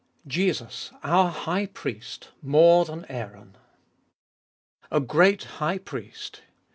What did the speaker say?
Jesus our High Priest more than Aaron XXXIV. A GREAT HIGH PRIEST.